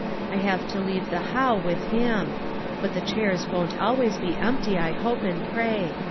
I have to leave the *ho\v' with him. But the chairs won't al ways be empty, I hope and pray.